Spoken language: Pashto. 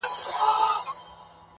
زه چي زهر داسي خورم د موږكانو!!